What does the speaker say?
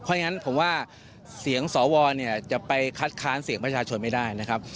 เพราะฉะนั้นผมว่าเสียงสวเนี่ยจะไปคัดค้านเสียงประชาชนไม่ได้นะครับ